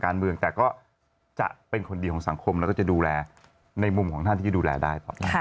เราก็จะดูแลในมุมของท่านที่จะดูแลได้